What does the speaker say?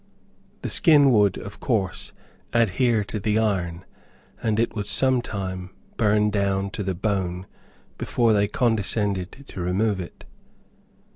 The skin would, of course adhere to the iron, and it would sometime burn down to the bone before they condescended to remove it.